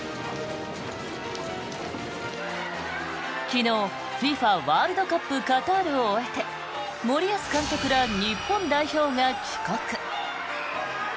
昨日、ＦＩＦＡワールドカップカタールを終えて森保監督ら日本代表が帰国。